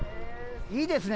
いいですね